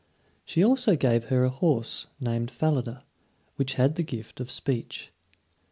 She also gave her a horse named Falada, which had the gift of speech.